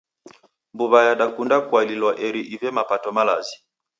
Mbuw'a yadakunda kualilwa eri ive mapato malazi.